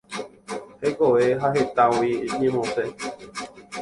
Hekove ha hetãgui ñemosẽ.